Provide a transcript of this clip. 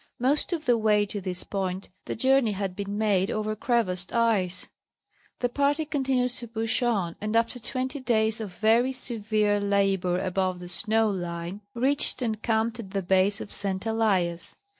Most of the way to this point the journey had been made over crevassed ice. The party continued to push on, and after twenty days of very severe labor above the snow line reached and camped at the base of St. Elias.